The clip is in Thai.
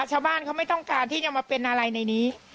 ชาวบ้านเขาไม่ต้องการที่จะมาเป็นอะไรในนี้